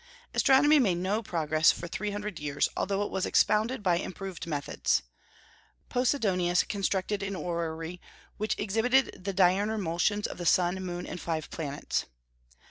Astronomy made no progress for three hundred years, although it was expounded by improved methods. Posidonius constructed an orrery, which exhibited the diurnal motions of the sun, moon, and five planets.